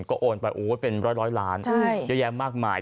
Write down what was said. ก็โอนไปเป็นร้อยล้านเยอะแยะมากมาย